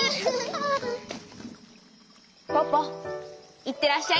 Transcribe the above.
ポポいってらっしゃい！